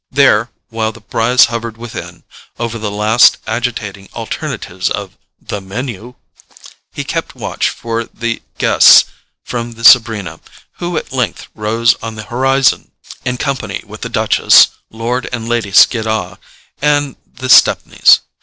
There, while the Brys hovered within over the last agitating alternatives of the MENU, he kept watch for the guests from the Sabrina, who at length rose on the horizon in company with the Duchess, Lord and Lady Skiddaw and the Stepneys.